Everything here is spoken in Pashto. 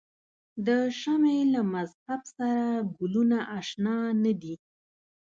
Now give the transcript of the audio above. د شمعې له مذهب سره ګلونه آشنا نه دي.